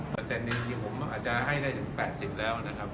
เปอร์เซ็นต์นี้ผมอาจจะให้ได้ถึง๘๐แล้วนะครับ